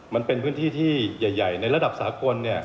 มันเป็นพื้นที่ที่ใหญ่ในระดับสากล